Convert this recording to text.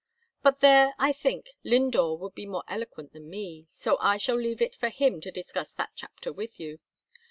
But there, I think, Lindore would be more eloquent than me, so I shall leave it for him to discuss that chapter with you.